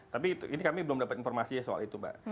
tapi ini kami belum dapat informasi soal itu mbak